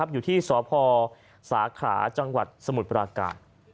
อยู่ที่สภสขาจสมุทรพรากาศ